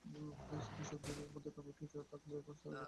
শীতের সবজির মধ্যে টমেটো থাকলেও এখন সারা বছরই টমেটো পাওয়া যায়।